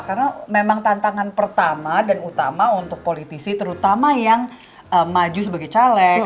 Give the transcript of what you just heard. karena memang tantangan pertama dan utama untuk politisi terutama yang maju sebagai caleg